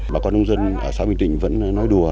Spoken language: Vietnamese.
bà con nông dân ở xã bình định vẫn nói đùa